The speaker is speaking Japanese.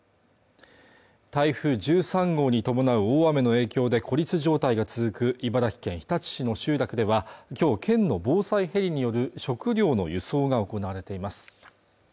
台風１３号に伴う大雨の影響で孤立状態が続く茨城県日立市の集落では今日県の防災ヘリによる食料の輸送が行われています